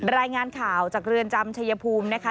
รายงานข่าวจากเรือนจำชายภูมินะคะ